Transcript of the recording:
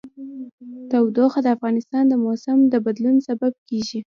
تودوخه د افغانستان د موسم د بدلون سبب کېږي.